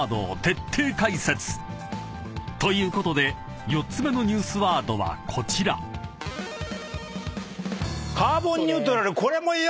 ［ということで４つ目のニュースワードはこちら］カーボンニュートラル。